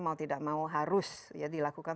mau tidak mau harus dilakukan